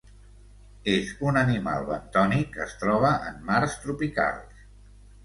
És un animal bentònic que es troba en mars tropicals.